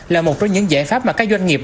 là một trong những giải pháp mà các doanh nghiệp